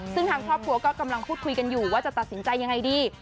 ซึ่งทางครอบครัวก็กำลังพูดคุยกันอยู่ว่าจะตัดสินใจยังไงดี